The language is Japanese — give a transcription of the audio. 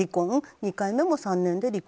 ２回目も３年で離婚。